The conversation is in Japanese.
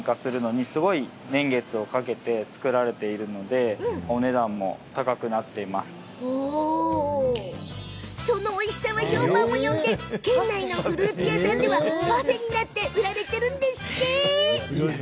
アボカドはそのおいしさが評判を呼んで県内のフルーツ屋さんではパフェになって売られているそうよ。